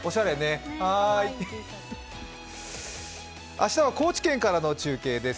明日は高知県からの中継です。